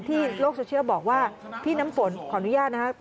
โลกโซเชียลบอกว่าพี่น้ำฝนขออนุญาตนะครับ